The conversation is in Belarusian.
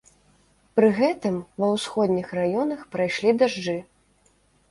Пры гэтым ва ўсходніх раёнах прайшлі дажджы.